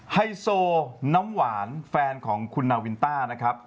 ไฮโซน้ำหวานแฟนของคุณนาวินต้านะครับ